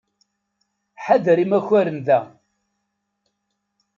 Ḥader imakaren da.